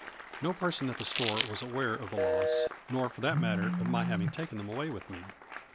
No person at the store was aware of the loss, nor for that matter of my having taken them away with me.